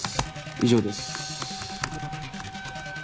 以上です。